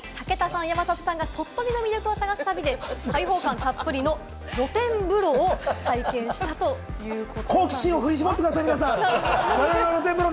武田さん、山里さんが鳥取の魅力を探す旅で開放感たっぷりの露天風呂を体験したということです。